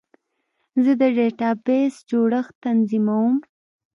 زه د ډیټابیس جوړښت تنظیموم.